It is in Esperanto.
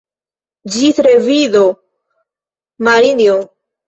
Ĝis revido, Marinjo.